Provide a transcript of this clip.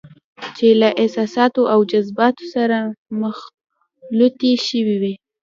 چې له احساساتو او جذباتو سره مخلوطې شوې وي.